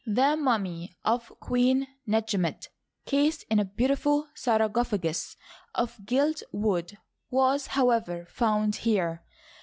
The mummy of Queen Netjemet, cased in a beautiful sarcophagus of gilt wood, was, however, found here.